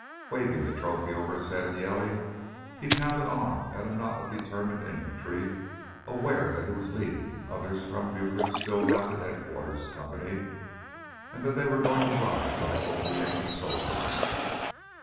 Waving the trophy over his head and yelling, he pounded on at a knot of determined infantry, aware that he was leading others from Buford's still mounted headquarter's company, and that they were going to ride right over the Yankee soldiers.